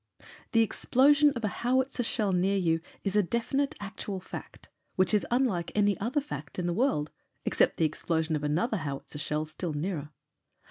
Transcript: The explosion of a howitzer shell near you is a defi nite, actual fact — which is unlike any other fact in the world, except the explosion of another howitzer shell still nearer.